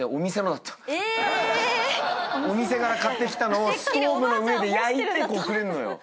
お店から買ってきたのをストーブの上で焼いてくれんのよ。